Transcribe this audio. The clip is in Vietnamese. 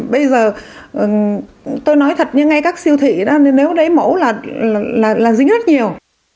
bây giờ tôi nói thật như ngay các siêu thị đó nếu lấy mẫu là dính rất nhiều